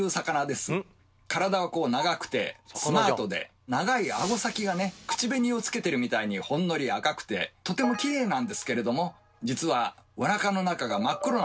体は長くてスマートで長いあご先がね口紅をつけてるみたいにほんのり赤くてとてもきれいなんですけれども実はおなかの中が真っ黒なんですよ。